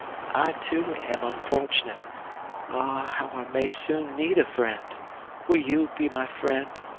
I, too, am unfortunate. Ah, how I may soon need a friend! Will you be my friend?